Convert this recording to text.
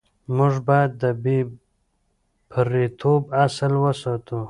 موږ باید د بې پرېتوب اصل وساتو.